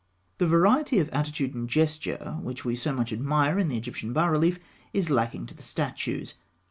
The variety of attitude and gesture which we so much admire in the Egyptian bas relief is lacking to the statues.